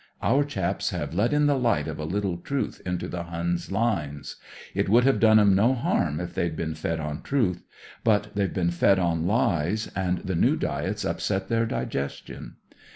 Our chaps have let in the light of a little truth into the Hun's lines. It would have done 'em no harm if they'd been fed on truth. But they've been fed on Ues, and the new diet's upset their digestion.